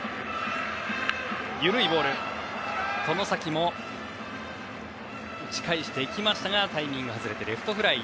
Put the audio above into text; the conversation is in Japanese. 外崎も打ち返していきましたがタイミング外れてレフトフライ。